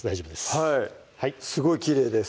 はいすごいきれいです